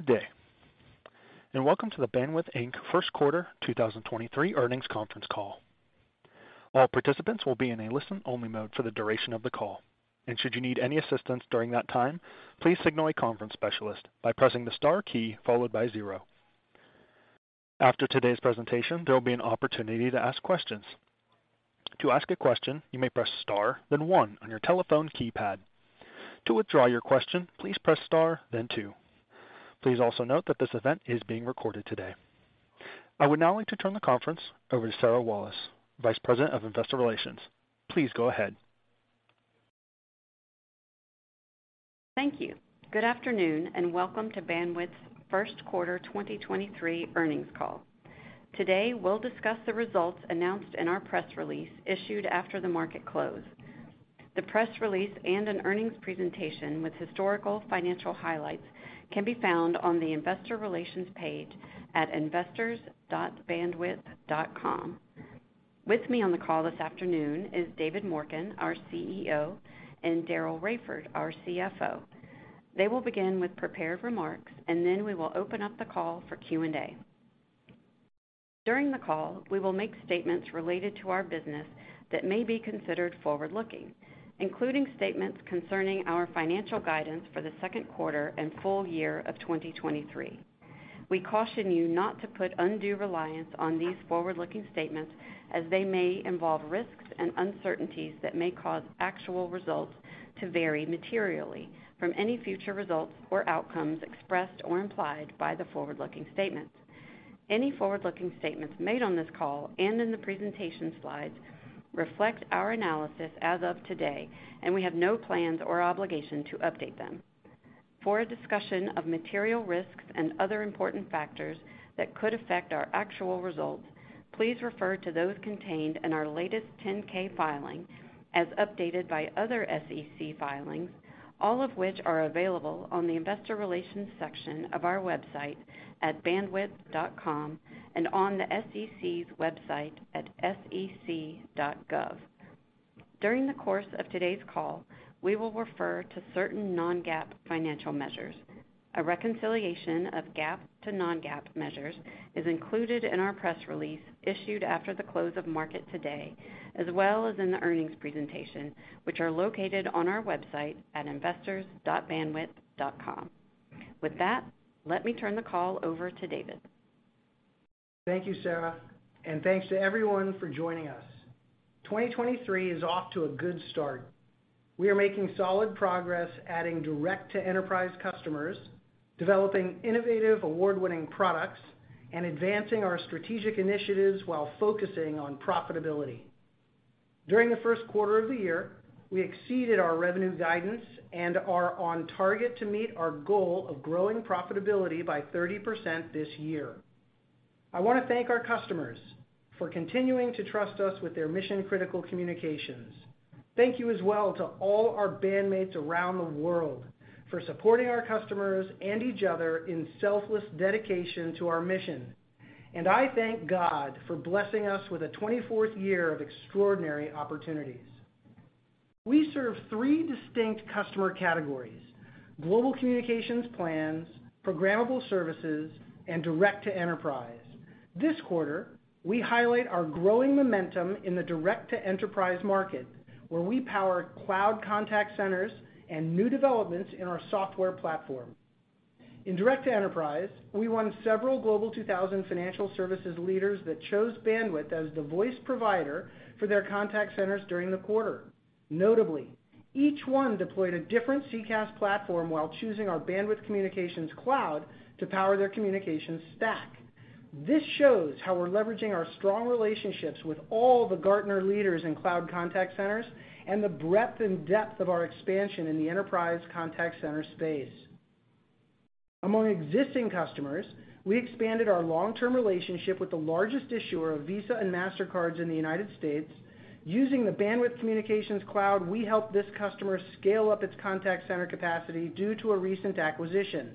Good day, welcome to the Bandwidth Inc. Q1 2023 earnings conference call. All participants will be in a listen-only mode for the duration of the call. Should you need any assistance during that time, please signal a conference specialist by pressing the star key followed by zero. After today's presentation, there will be an opportunity to ask questions. To ask a question, you may press star, then one on your telephone keypad. To withdraw your question, please press star, then two. Please also note that this event is being recorded today. I would now like to turn the conference over to Sarah Walas, Vice President of Investor Relations. Please go ahead. Thank you. Good afternoon, and welcome to Bandwidth's Q1 2023 earnings call. Today, we'll discuss the results announced in our press release issued after the market closed. The press release and an earnings presentation with historical financial highlights can be found on the Investor Relations page at investors.bandwidth.com. With me on the call this afternoon is David Morken, our CEO, and Daryl Raiford, our CFO. They will begin with prepared remarks, and then we will open up the call for Q&A. During the call, we will make statements related to our business that may be considered forward-looking, including statements concerning our financial guidance for the Q2 and full year of 2023. We caution you not to put undue reliance on these forward-looking statements as they may involve risks and uncertainties that may cause actual results to vary materially from any future results or outcomes expressed or implied by the forward-looking statements. Any forward-looking statements made on this call and in the presentation slides reflect our analysis as of today. We have no plans or obligation to update them. For a discussion of material risks and other important factors that could affect our actual results, please refer to those contained in our latest 10-K filing as updated by other SEC filings, all of which are available on the Investor Relations section of our website at bandwidth.com and on the SEC's website at sec.gov. During the course of today's call, we will refer to certain non-GAAP financial measures. A reconciliation of GAAP to non-GAAP measures is included in our press release issued after the close of market today, as well as in the earnings presentation, which are located on our website at investors.bandwidth.com. With that, let me turn the call over to David. Thank you, Sarah, and thanks to everyone for joining us. 2023 is off to a good start. We are making solid progress adding direct-to-enterprise customers, developing innovative award-winning products, and advancing our strategic initiatives while focusing on profitability. During the Q1 of the year, we exceeded our revenue guidance and are on target to meet our goal of growing profitability by 30% this year. I want to thank our customers for continuing to trust us with their mission-critical communications. Thank you as well to all our bandmates around the world for supporting our customers and each other in selfless dedication to our mission. I thank God for blessing us with a 24th year of extraordinary opportunities. We serve three distinct customer categories: global communications plans, programmable services, and direct to enterprise. This quarter, we highlight our growing momentum in the direct-to-enterprise market, where we power cloud contact centers and new developments in our software platform. In direct to enterprise, we won several Global 2000 financial services leaders that chose Bandwidth as the voice provider for their contact centers during the quarter. Notably, each one deployed a different CCaaS platform while choosing our Bandwidth Communications Cloud to power their communications stack. This shows how we're leveraging our strong relationships with all the Gartner leaders in cloud contact centers and the breadth and depth of our expansion in the enterprise contact center space. Among existing customers, we expanded our long-term relationship with the largest issuer of Visa and Mastercards in the United States. Using the Bandwidth Communications Cloud, we helped this customer scale up its contact center capacity due to a recent acquisition.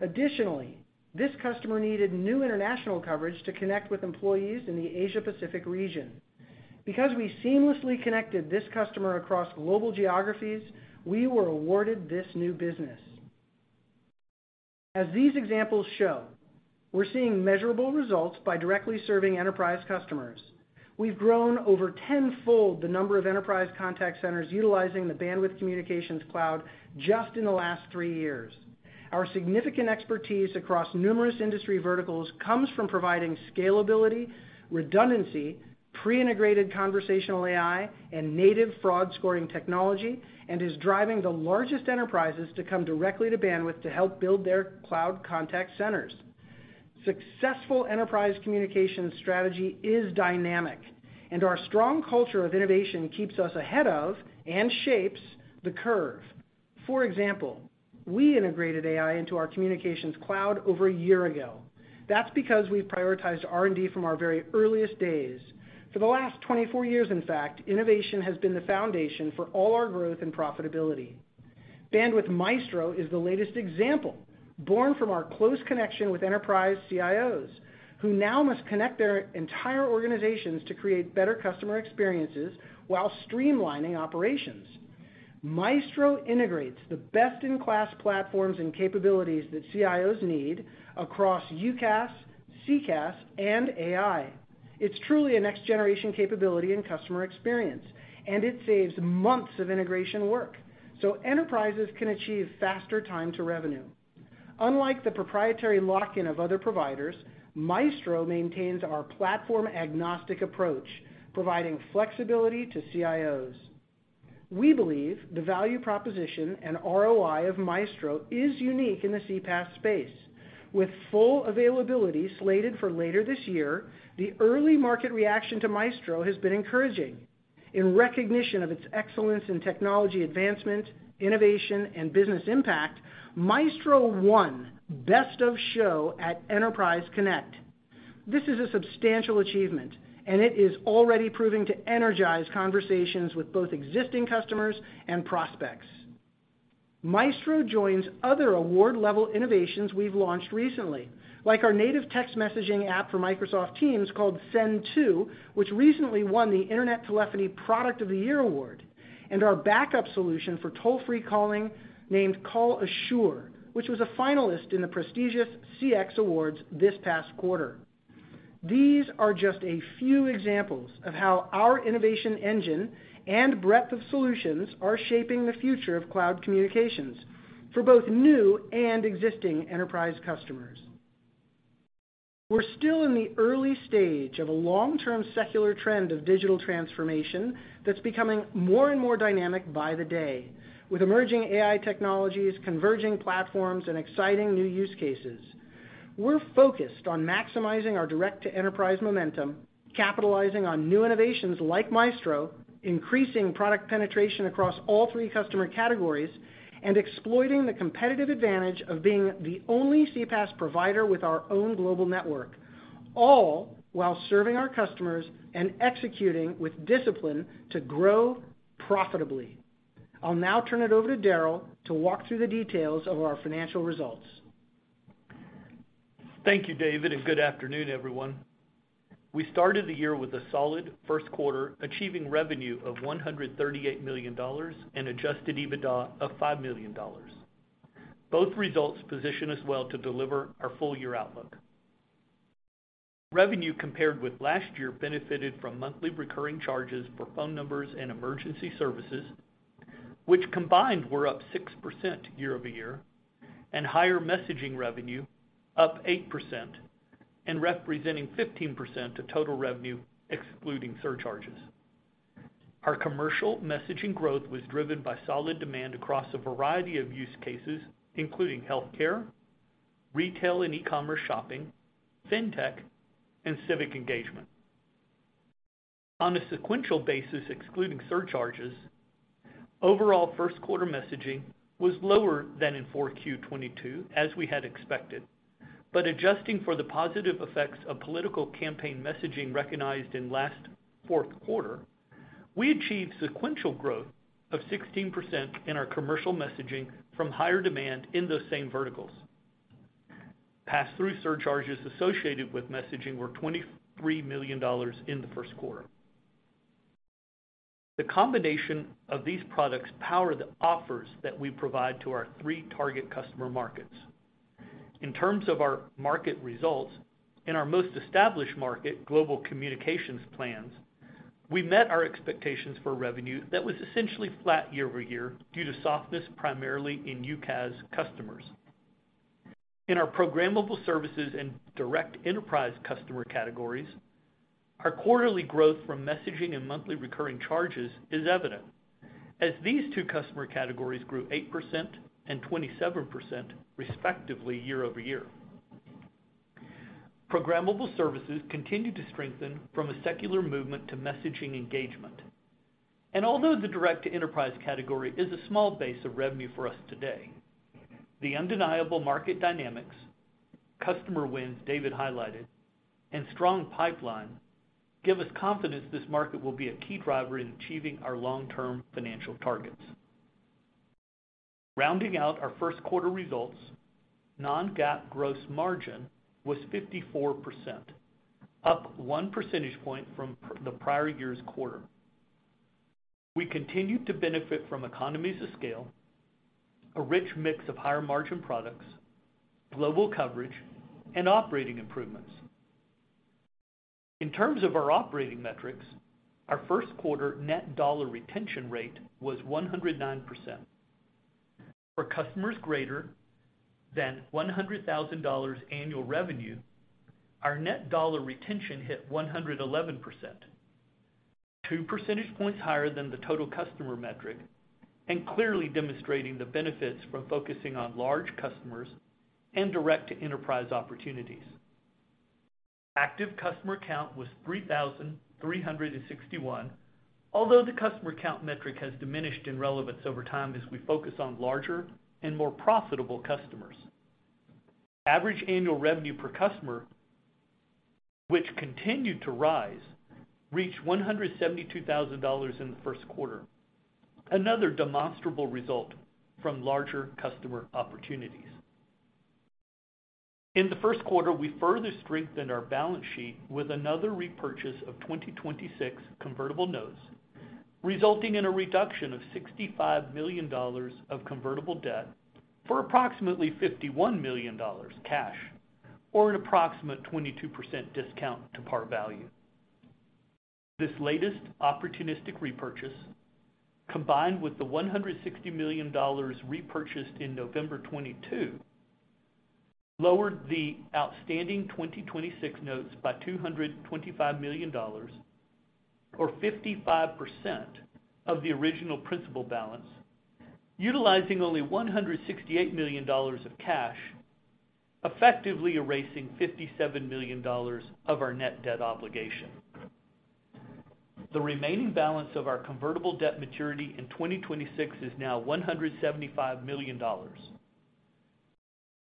Additionally, this customer needed new international coverage to connect with employees in the Asia Pacific region. Because we seamlessly connected this customer across global geographies, we were awarded this new business. As these examples show, we're seeing measurable results by directly serving enterprise customers. We've grown over 10-fold the number of enterprise contact centers utilizing the Bandwidth Communications Cloud just in the last three years. Our significant expertise across numerous industry verticals comes from providing scalability, redundancy, pre-integrated conversational AI, and native fraud scoring technology, and is driving the largest enterprises to come directly to Bandwidth to help build their cloud contact centers. Successful enterprise communications strategy is dynamic, and our strong culture of innovation keeps us ahead of and shapes the curve. For example, we integrated AI into our communications cloud over a year ago. That's because we prioritized R&D from our very earliest days. For the last 24 years, in fact, innovation has been the foundation for all our growth and profitability. Bandwidth Maestro is the latest example, born from our close connection with enterprise CIOs, who now must connect their entire organizations to create better customer experiences while streamlining operations. Maestro integrates the best-in-class platforms and capabilities that CIOs need across UCaaS, CCaaS, and AI. It's truly a next-generation capability and customer experience, and it saves months of integration work so enterprises can achieve faster time to revenue. Unlike the proprietary lock-in of other providers, Maestro maintains our platform-agnostic approach, providing flexibility to CIOs. We believe the value proposition and ROI of Maestro is unique in the CPaaS space. With full availability slated for later this year, the early market reaction to Maestro has been encouraging. In recognition of its excellence in technology advancement, innovation, and business impact, Maestro won Best of Show at Enterprise Connect. This is a substantial achievement, and it is already proving to energize conversations with both existing customers and prospects. Maestro joins other award-level innovations we've launched recently, like our native text messaging app for Microsoft Teams called Send-To, which recently won the INTERNET TELEPHONY Product of the Year award, and our backup solution for toll-free calling named Call Assure, which was a finalist in the prestigious CX Awards this past quarter. These are just a few examples of how our innovation engine and breadth of solutions are shaping the future of cloud communications for both new and existing enterprise customers. We're still in the early stage of a long-term secular trend of digital transformation that's becoming more and more dynamic by the day, with emerging AI technologies, converging platforms, and exciting new use cases. We're focused on maximizing our direct-to-enterprise momentum, capitalizing on new innovations like Maestro, increasing product penetration across all three customer categories, and exploiting the competitive advantage of being the only CPaaS provider with our own global network, all while serving our customers and executing with discipline to grow profitably. I'll now turn it over to Darryl to walk through the details of our financial results. Thank you, David, and good afternoon, everyone. We started the year with a solid Q1, achieving revenue of $138 million and Adjusted EBITDA of $5 million. Both results position us well to deliver our full-year outlook. Revenue compared with last year benefited from monthly recurring charges for phone numbers and emergency services, which combined were up 6% year-over-year, and higher messaging revenue up 8% and representing 15% of total revenue excluding surcharges. Our commercial messaging growth was driven by solid demand across a variety of use cases, including healthcare, retail and e-commerce shopping, fintech, and civic engagement. On a sequential basis, excluding surcharges, overall Q1 messaging was lower than in Q4 2022, as we had expected. Adjusting for the positive effects of political campaign messaging recognized in last Q4, we achieved sequential growth of 16% in our commercial messaging from higher demand in those same verticals. Pass-through surcharges associated with messaging were $23 million in the Q1. The combination of these products power the offers that we provide to our three target customer markets. In terms of our market results, in our most established market, global communications plans, we met our expectations for revenue that was essentially flat year-over-year due to softness primarily in UCaaS customers. In our programmable services and direct enterprise customer categories, our quarterly growth from messaging and monthly recurring charges is evident as these two customer categories grew 8% and 27% respectively year-over-year. Programmable services continued to strengthen from a secular movement to messaging engagement. Although the direct-to-enterprise category is a small base of revenue for us today, the undeniable market dynamics, customer wins David highlighted, and strong pipeline give us confidence this market will be a key driver in achieving our long-term financial targets. Rounding out our Q1 results, non-GAAP gross margin was 54%, up 1 percentage point from the prior year's quarter. We continued to benefit from economies of scale, a rich mix of higher-margin products, global coverage, and operating improvements. In terms of our operating metrics, our Q1 net dollar retention rate was 109%. For customers greater than $100,000 annual revenue, our net dollar retention hit 111%, 2 percentage points higher than the total customer metric, and clearly demonstrating the benefits from focusing on large customers and direct-to-enterprise opportunities. Active customer count was 3,361, although the customer count metric has diminished in relevance over time as we focus on larger and more profitable customers. Average annual revenue per customer, which continued to rise, reached $172,000 in the Q1, another demonstrable result from larger customer opportunities. In the Q1, we further strengthened our balance sheet with another repurchase of 2026 convertible notes, resulting in a reduction of $65 million of convertible debt for approximately $51 million cash, or an approximate 22% discount to par value. This latest opportunistic repurchase, combined with the $160 million repurchased in November 2022, lowered the outstanding 2026 notes by $225 million, or 55% of the original principal balance, utilizing only $168 million of cash, effectively erasing $57 million of our net debt obligation. The remaining balance of our convertible debt maturity in 2026 is now $175 million.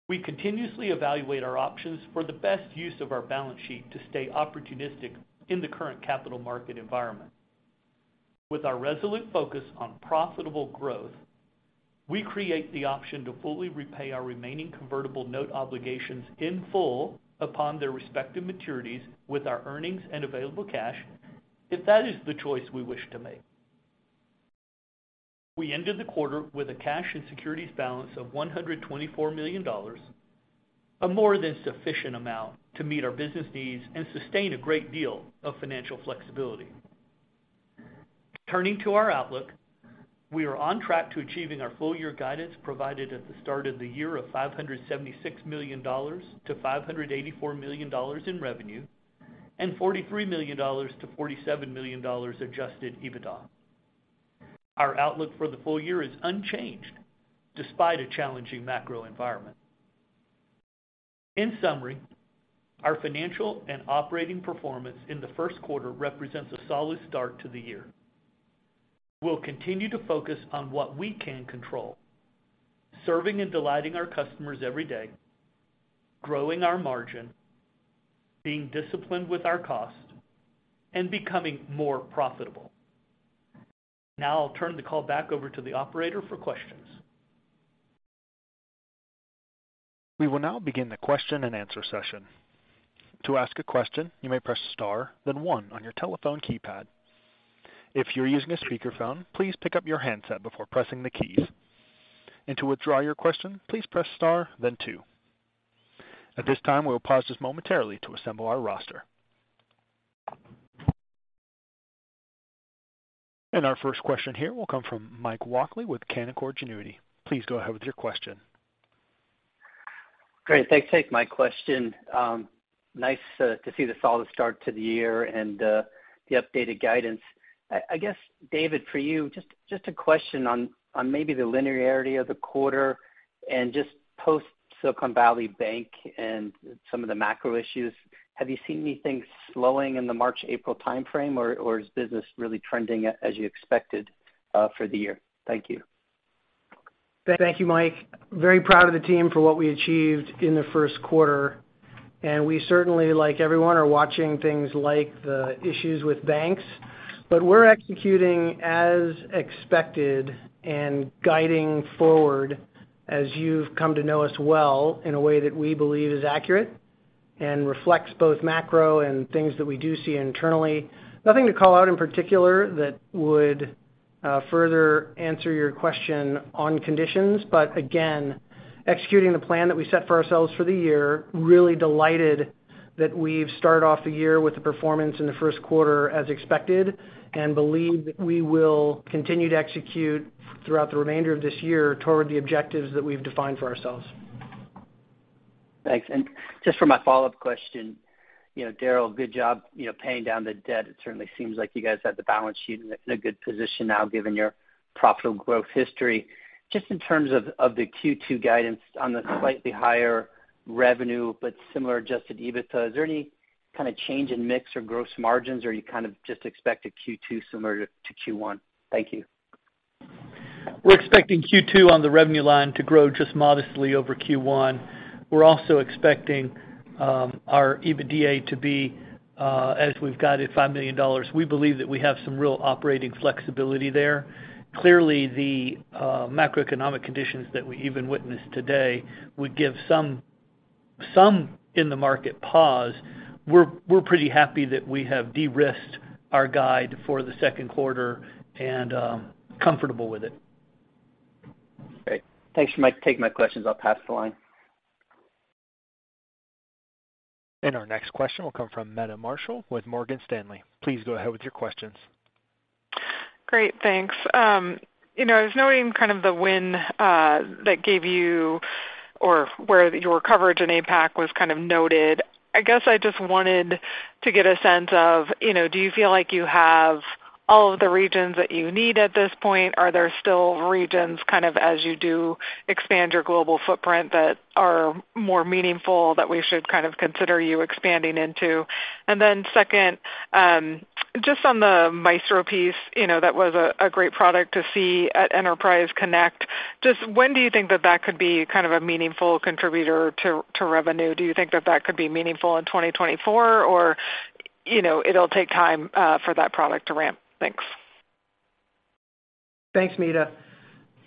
We continuously evaluate our options for the best use of our balance sheet to stay opportunistic in the current capital market environment. With our resolute focus on profitable growth, we create the option to fully repay our remaining convertible note obligations in full upon their respective maturities with our earnings and available cash if that is the choice we wish to make. We ended the quarter with a cash and securities balance of $124 million, a more than sufficient amount to meet our business needs and sustain a great deal of financial flexibility. Turning to our outlook, we are on track to achieving our full year guidance provided at the start of the year of $576 million-$584 million in revenue, and $43 million-$47 million Adjusted EBITDA. Our outlook for the full year is unchanged despite a challenging macro environment. In summary, our financial and operating performance in the Q1 represents a solid start to the year. We'll continue to focus on what we can control, serving and delighting our customers every day, growing our margin, being disciplined with our cost, and becoming more profitable. Now I'll turn the call back over to the operator for questions. We will now begin the question-and-answer session. To ask a question, you may press star then one on your telephone keypad. If you're using a speakerphone, please pick up your handset before pressing the keys. To withdraw your question, please press star then two. At this time, we'll pause just momentarily to assemble our roster. Our first question here will come from Mike Walkley with Canaccord Genuity. Please go ahead with your question. Great. Thanks for taking my question. Nice to see the solid start to the year and the updated guidance. I guess, David, for you, just a question on maybe the linearity of the quarter and just post Silicon Valley Bank and some of the macro issues. Have you seen anything slowing in the March, April timeframe, or is business really trending as you expected for the year? Thank you. Thank you, Mike. Very proud of the team for what we achieved in the Q1. We certainly, like everyone, are watching things like the issues with banks. We're executing as expected and guiding forward as you've come to know us well in a way that we believe is accurate and reflects both macro and things that we do see internally. Nothing to call out in particular that would further answer your question on conditions, but again, executing the plan that we set for ourselves for the year, really delighted that we've started off the year with the performance in the Q1 as expected and believe that we will continue to execute throughout the remainder of this year toward the objectives that we've defined for ourselves. Thanks. Just for my follow-up question, you know, Darryl, good job, you know, paying down the debt. It certainly seems like you guys have the balance sheet in a good position now given your profitable growth history. Just in terms of the Q2 guidance on the slightly higher revenue but similar Adjusted EBITDA, is there any kind of change in mix or gross margins, or are you kind of just expect a Q2 similar to Q1? Thank you. We're expecting Q2 on the revenue line to grow just modestly over Q1. We're also expecting our EBITDA to be as we've got it, $5 million. We believe that we have some real operating flexibility there. Clearly, the macroeconomic conditions that we even witnessed today would give some in the market pause. We're pretty happy that we have de-risked our guide for the Q2 and comfortable with it. Great. Thanks for taking my questions. I'll pass the line. Our next question will come from Meta Marshall with Morgan Stanley. Please go ahead with your questions. Great. Thanks. You know, I was noting kind of the win that gave you or where your coverage in APAC was kind of noted. I just wanted to get a sense of, you know, do you feel like you have all of the regions that you need at this point? Are there still regions kind of as you do expand your global footprint that are more meaningful that we should kind of consider you expanding into? Second, just on the Maestro piece, you know, that was a great product to see at Enterprise Connect. Just when do you think that that could be kind of a meaningful contributor to revenue? Do you think that that could be meaningful in 2024 or, you know, it'll take time for that product to ramp? Thanks. Thanks, Meta.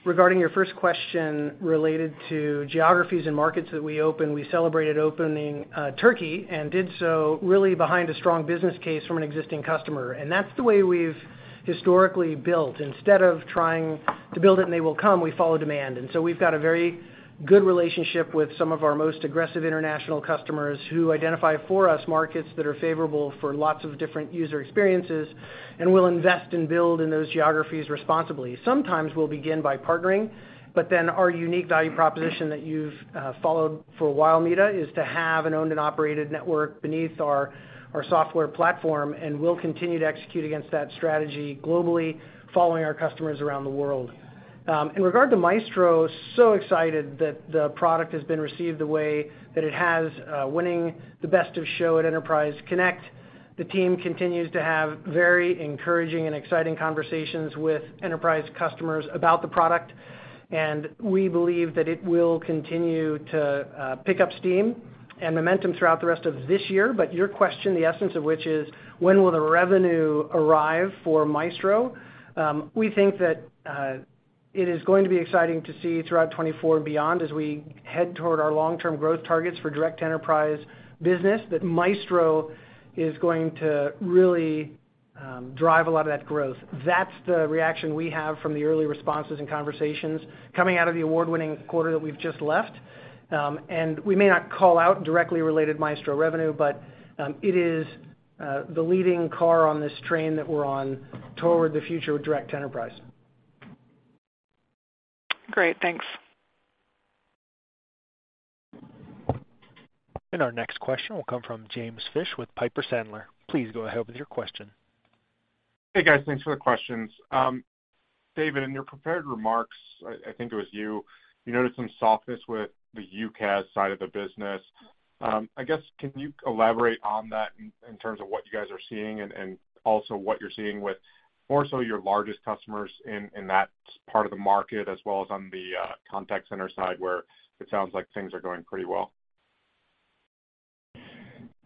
Regarding your first question related to geographies and markets that we opened, we celebrated opening Turkey and did so really behind a strong business case from an existing customer. That's the way we've historically built. Instead of trying to build it and they will come, we follow demand. So we've got a very good relationship with some of our most aggressive international customers who identify for us markets that are favorable for lots of different user experiences, and we'll invest and build in those geographies responsibly. Sometimes we'll begin by partnering, but then our unique value proposition that you've followed for a while, Meta, is to have an owned and operated network beneath our software platform, and we'll continue to execute against that strategy globally, following our customers around the world. In regard to Maestro, excited that the product has been received the way that it has, winning the best of show at Enterprise Connect. The team continues to have very encouraging and exciting conversations with enterprise customers about the product, and we believe that it will continue to pick up steam and momentum throughout the rest of this year. Your question, the essence of which is when will the revenue arrive for Maestro? We think that it is going to be exciting to see throughout 2024 and beyond as we head toward our long-term growth targets for direct-to-enterprise business, that Maestro is going to really drive a lot of that growth. That's the reaction we have from the early responses and conversations coming out of the award-winning quarter that we've just left. We may not call out directly related Maestro revenue, but it is the leading car on this train that we're on toward the future with direct to enterprise. Great. Thanks. Our next question will come from James Fish with Piper Sandler. Please go ahead with your question. Hey, guys. Thanks for the questions. David, in your prepared remarks, I think it was you noticed some softness with the UCaaS side of the business. I guess, can you elaborate on that in terms of what you guys are seeing and also what you're seeing with more so your largest customers in that part of the market as well as on the contact center side where it sounds like things are going pretty well?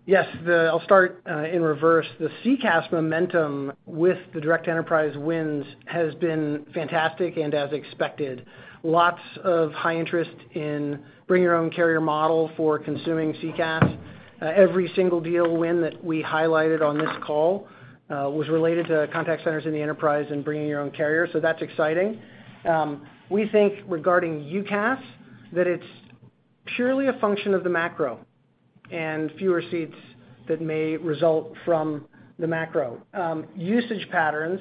Yes. I'll start in reverse. The CCaaS momentum with the direct enterprise wins has been fantastic and as expected. Lots of high interest in Bring Your Own Carrier model for consuming CCaaS. Every single deal win that we highlighted on this call was related to contact centers in the enterprise and Bring Your Own Carrier, so that's exciting. We think regarding UCaaS, that it's purely a function of the macro and fewer seats that may result from the macro. Usage patterns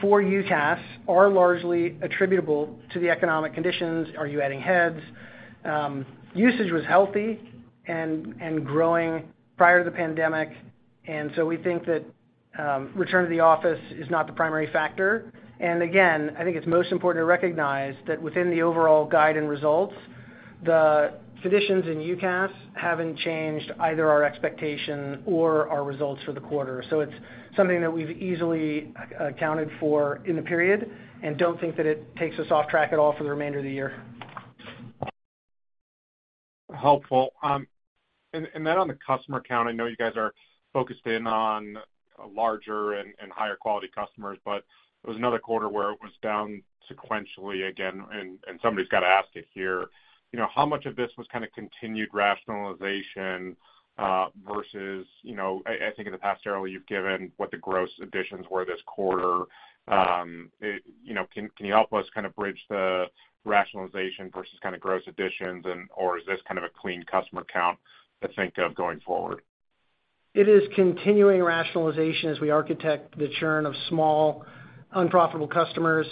for UCaaS are largely attributable to the economic conditions. Are you adding heads? Usage was healthy and growing prior to the pandemic, and so we think that return to the office is not the primary factor. Again, I think it's most important to recognize that within the overall guide and results, the traditions in UCaaS haven't changed either our expectation or our results for the quarter. It's something that we've easily accounted for in the period and don't think that it takes us off track at all for the remainder of the year. Helpful. On the customer count, I know you guys are focused in on larger and higher quality customers, but it was another quarter where it was down sequentially again, and somebody's gotta ask it here. You know, how much of this was kinda continued rationalization versus, you know... I think in the past, Darryl, you've given what the gross additions were this quarter. You know, can you help us kind of bridge the rationalization versus kind of gross additions or is this kind of a clean customer count to think of going forward? It is continuing rationalization as we architect the churn of small, unprofitable customers.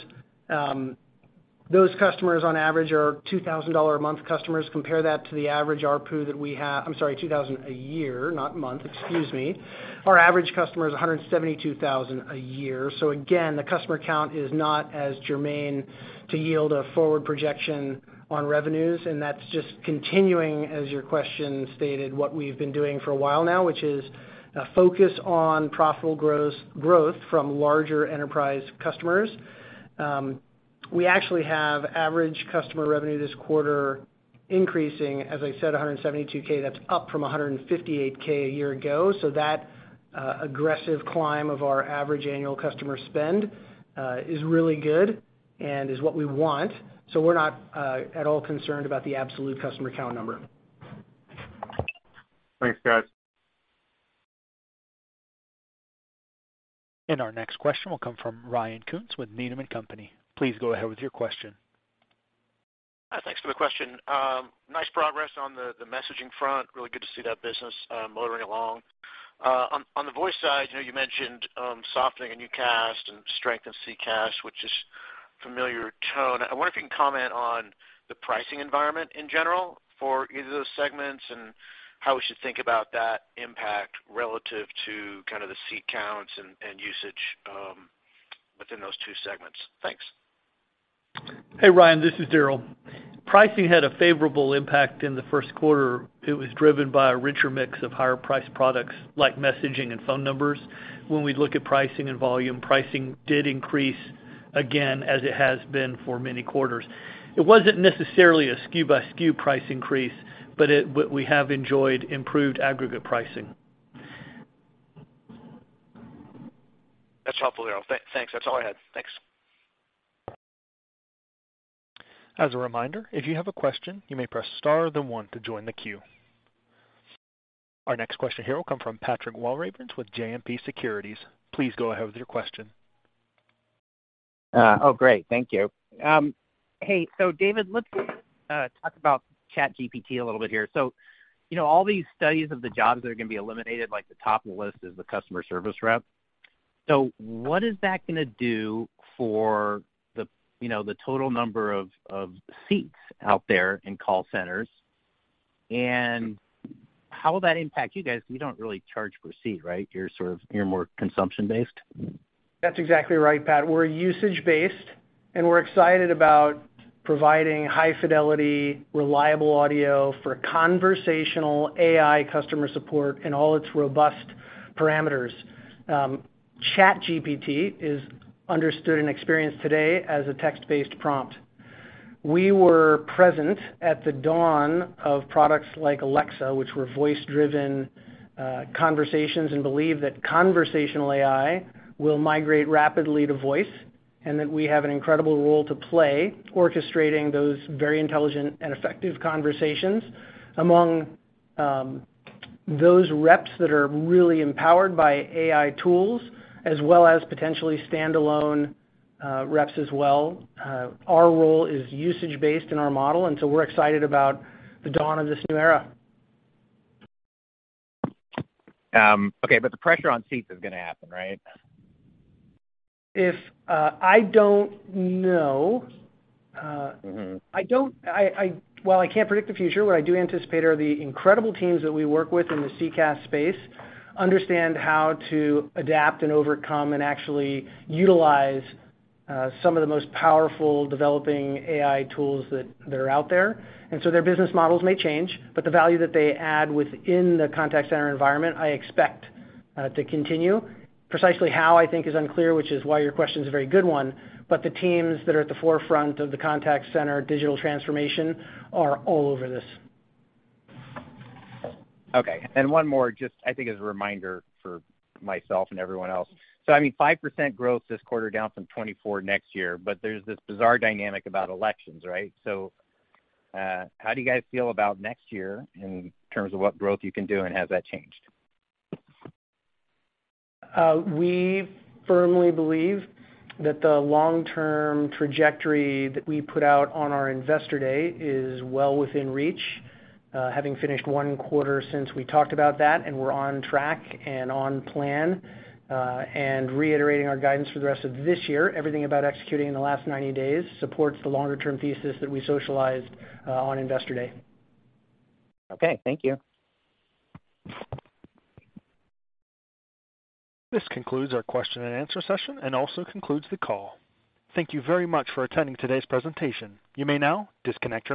Those customers on average are $2,000 a month customers. Compare that to the average ARPU that we have. I'm sorry, $2,000 a year, not month, excuse me. Our average customer is $172,000 a year. Again, the customer count is not as germane to yield a forward projection on revenues, and that's just continuing, as your question stated, what we've been doing for a while now, which is a focus on profitable growth from larger enterprise customers. We actually have average customer revenue this quarter increasing, as I said, $172K. That's up from $158K a year ago. That aggressive climb of our average annual customer spend is really good and is what we want. We're not, at all concerned about the absolute customer count number. Thanks, guys. Our next question will come from Ryan Koontz with Needham & Company. Please go ahead with your question. Thanks for the question. Nice progress on the messaging front. Really good to see that business motoring along. On the voice side, you know, you mentioned softening in UCaaS and strength in CCaaS, which is familiar tone. I wonder if you can comment on the pricing environment in general for either of those segments and how we should think about that impact relative to kind of the seat counts and usage within those two segments. Thanks. Hey, Ryan. This is Darryl. Pricing had a favorable impact in the Q1. It was driven by a richer mix of higher-priced products like messaging and phone numbers. When we look at pricing and volume, pricing did increase again as it has been for many quarters. It wasn't necessarily a SKU by SKU price increase, but we have enjoyed improved aggregate pricing. That's helpful, Darryl. Thanks. That's all I had. Thanks. As a reminder, if you have a question, you may press star then one to join the queue. Our next question here will come from Patrick Walravens with JMP Securities. Please go ahead with your question. Oh, great. Thank you. Hey. David, let's talk about ChatGPT a little bit here. You know, all these studies of the jobs that are gonna be eliminated, like, the top of the list is the customer service rep. What is that gonna do for the, you know, the total number of seats out there in call centers? How will that impact you guys? You don't really charge per seat, right? You're more consumption-based. That's exactly right, Pat. We're usage-based. We're excited about providing high fidelity, reliable audio for conversational AI customer support in all its robust parameters. ChatGPT is understood and experienced today as a text-based prompt. We were present at the dawn of products like Alexa, which were voice-driven conversations. We believe that conversational AI will migrate rapidly to voice. We have an incredible role to play orchestrating those very intelligent and effective conversations among those reps that are really empowered by AI tools as well as potentially standalone reps as well. Our role is usage-based in our model. We're excited about the dawn of this new era. Okay. The pressure on seats is gonna happen, right? I don't know. Mm-hmm. While I can't predict the future, what I do anticipate are the incredible teams that we work with in the CCaaS space understand how to adapt and overcome and actually utilize some of the most powerful developing AI tools that are out there. Their business models may change, but the value that they add within the contact center environment, I expect to continue. Precisely how, I think is unclear, which is why your question is a very good one, but the teams that are at the forefront of the contact center digital transformation are all over this. Okay. One more just, I think, as a reminder for myself and everyone else. I mean, 5% growth this quarter, down from 24% next year, but there's this bizarre dynamic about elections, right? How do you guys feel about next year in terms of what growth you can do, and has that changed? We firmly believe that the long-term trajectory that we put out on our Investor Day is well within reach, having finished one quarter since we talked about that, and we're on track and on plan, and reiterating our guidance for the rest of this year. Everything about executing in the last 90 days supports the longer term thesis that we socialized on Investor Day. Okay. Thank you. This concludes our question and answer session, and also concludes the call. Thank you very much for attending today's presentation. You may now disconnect your lines.